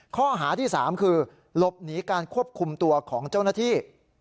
ข้อหาที่๓คือหลบหนีการควบคุมตัวของเจ้าหน้าที่